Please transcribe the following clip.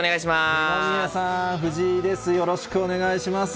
よろしくお願いします。